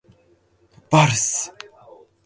バンドエードは食べ物ではありません。